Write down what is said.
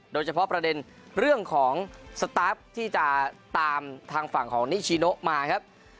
โดยเฉพาะประเด็นเรื่องของสตาฟที่จะตามทางฝั่งของนิชิโนมาครับ